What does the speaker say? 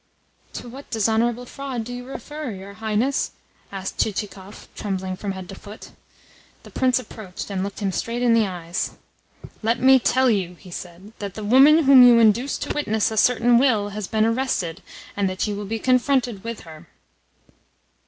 "To what dishonourable fraud do you refer, your Highness?" asked Chichikov, trembling from head to foot. The Prince approached, and looked him straight in the eyes. "Let me tell you," he said, "that the woman whom you induced to witness a certain will has been arrested, and that you will be confronted with her."